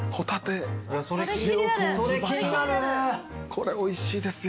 これおいしいですよ。